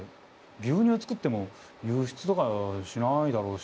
牛乳作っても輸出とかしないだろうし。